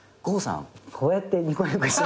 こうやってニコニコしながら。